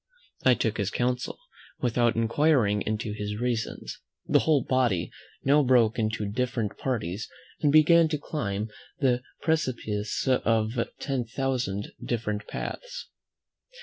I took his counsel, without inquiring into his reasons. The whole body now broke into different parties, and began to climb the precipice by ten thousand different paths.